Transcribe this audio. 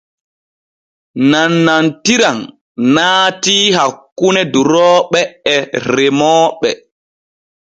Nanantiran naatii hakkune durooɓe et remooɓe.